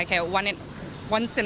setelah beberapa waktu mungkin